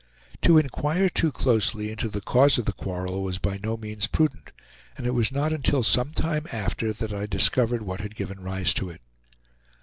To inquire too closely into the cause of the quarrel was by no means prudent, and it was not until some time after that I discovered what had given rise to it.